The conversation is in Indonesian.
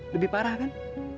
lebih parah kan